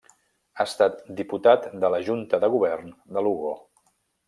Ha estat Diputat de la Junta de Govern de Lugo.